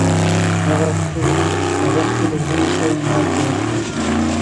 هغه خپلو وروڼو ته ماتې ورکړه.